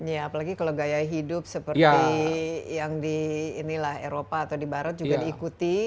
ya apalagi kalau gaya hidup seperti yang di inilah eropa atau di barat juga diikuti